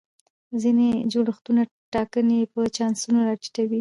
ځینې جوړښتونه ټاکنې په چانسونو را ټیټوي.